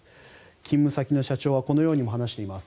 勤務先の社長はこのようにも話しています。